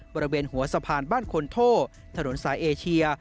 บริเวณหัวสะพานบ้านคนโทถนนสายเอเชีย